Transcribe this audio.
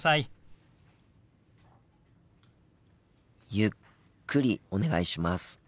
ゆっくりお願いします。